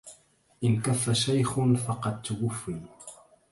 إن كف شيخ فقد توفي